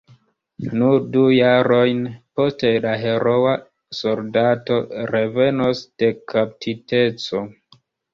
Nur du jarojn poste la heroa soldato revenos de kaptiteco.